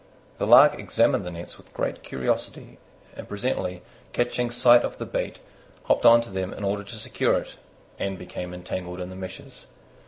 The Lark examined the nets with great curiosity, and presently, catching sight of the bait, hopped on to them in order to secure it, and became entangled in the meshes.